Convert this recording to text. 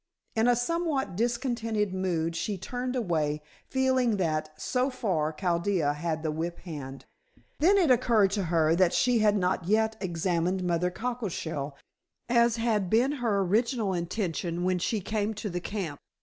In a somewhat discontented mood, she turned away, feeling that, so far, Chaldea had the whip hand. Then it occurred to her that she had not yet examined Mother Cockleshell as had been her original intention when she came to the camp.